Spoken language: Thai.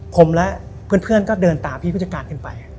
ผมและเพื่อนก็เดินตามพี่ผู้จัดการขึ้นไป